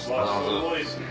すごいですね。